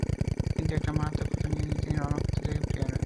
কিন্তু একটি মারাত্মক ক্ষত নিয়ে তিনি রণক্ষেত্র থেকে ফিরে এলেন।